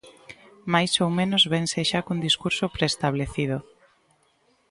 Máis ou menos vense xa cun discurso preestablecido.